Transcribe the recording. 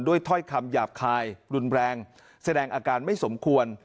ถ้อยคำหยาบคายรุนแรงแสดงอาการไม่สมควร